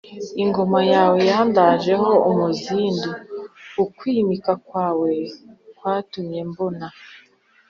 ingoma yawe yandajeho umuzindu: ukwimika kwawe kwatumye mbona